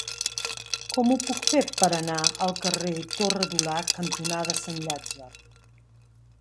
Com ho puc fer per anar al carrer Torre Dulac cantonada Sant Llàtzer?